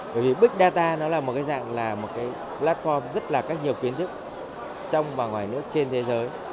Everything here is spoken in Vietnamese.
bởi vì big data là một platform rất nhiều kiến thức trong và ngoài nước trên thế giới